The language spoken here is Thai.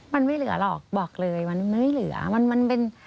มันไม่เหลือหรอกบอกเลยมันไม่เหลือ